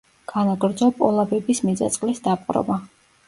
განაგრძო პოლაბების მიწა-წყლის დაპყრობა.